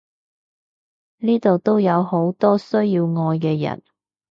呢度都有好多需要愛嘅人！